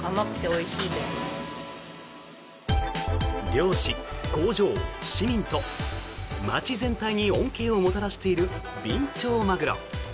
漁師、工場、市民と街全体に恩恵をもたらしているビンチョウマグロ。